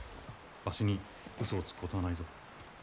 わしにうそをつくことはないぞ。